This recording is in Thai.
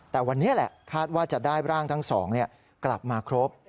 แต่วันนี้แหละคาดว่าจะได้ร่างทั้งสองกลับมาครบ